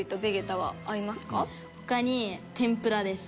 他に天ぷらです。